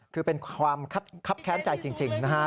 คือเป็นความคับแค้นใจจริงนะฮะ